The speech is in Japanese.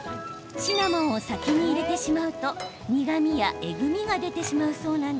シナモンを先に入れてしまうと苦味やえぐみが出てしまうそう。